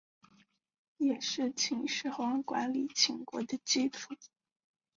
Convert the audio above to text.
也是秦始皇管理秦国的基础。